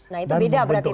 nah itu beda berarti